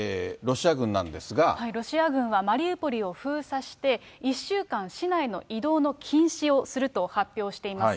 ロシア軍はマリウポリを封鎖して、１週間市内の移動の禁止をすると発表しています。